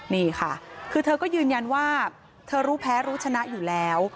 นี่ค่ะคือเธอก็ยืนยันว่าเธอรู้แพ้รู้ชนะอยู่แล้ว